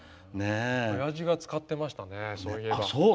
おやじが使ってましたね、そういえば。